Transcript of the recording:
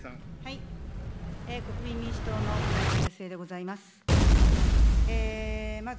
国民民主党の舟山康江でございます。